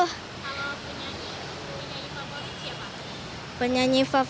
kalau penyanyi penyanyi favorit siapa penyanyi